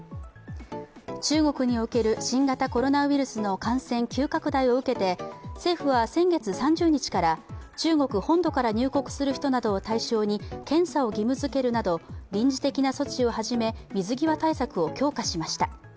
中国における新型コロナウイルスの感染急拡大を受けて政府は先月３０日から中国本土から入国する人などを対象に検査を義務づけるなど臨時的な措置をはじめ水際対策を強化しました。